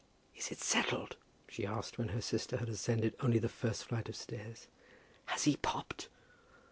"Is it settled," she asked when her sister had ascended only the first flight of stairs; "has he popped?"